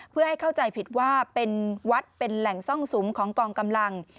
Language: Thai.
เพื่อให้เข้าใจผิดว่าเป็นวัดเป็นแหล่งซ่องสุมของกองกำลัง